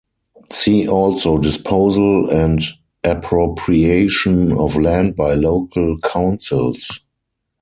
See also Disposal and Appropriation of Land by Local Councils.